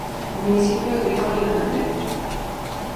Municipio agrícola y ganadero.